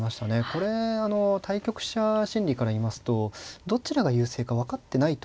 これあの対局者心理から言いますとどちらが優勢か分かってないと思いますね。